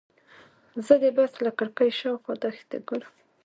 زه د بس له کړکۍ شاوخوا دښتې ته ګورم.